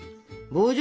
棒状？